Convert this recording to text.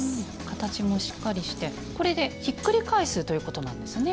形もしっかりしてこれでひっくり返すということなんですね。